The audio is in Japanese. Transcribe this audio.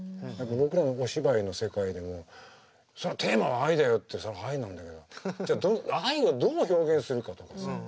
僕らのお芝居の世界でもそりゃテーマは愛だよってさ愛なんだけどじゃあ愛をどう表現するかとかさ